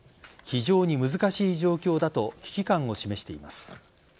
非常に難しい状況だと危機感を示しています。